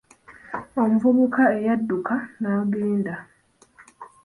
Omuvubuka eyadduka n'agenda.